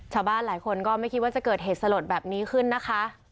ชาวบ้านหลายคนก็ไม่คิดว่าจะเกิดเหตุสลดแบบนี้ขึ้นนะคะ